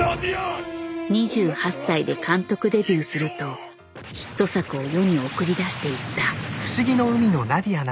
２８歳で監督デビューするとヒット作を世に送り出していった。